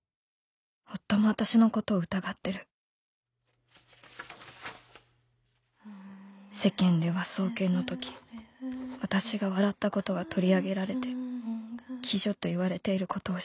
「夫も私のことを疑ってる」「世間では送検のとき私が笑ったことが取り上げられて『鬼女』と言われていることを知った」